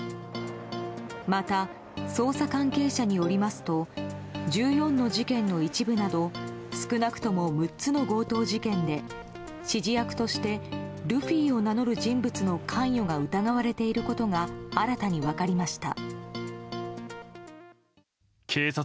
また、捜査関係者によりますと１４の事件の一部など少なくとも６つの強盗事件で指示役としてルフィを名乗る人物の関与が疑われていることが新たに分かりました。